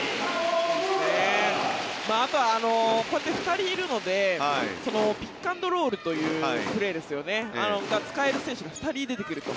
あとはこうやって２人いるのでピック・アンド・ロールというプレーが使える選手が２人出てくると。